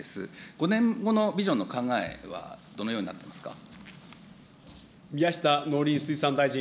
５年後のビジョンの考えは、どのようになってますか。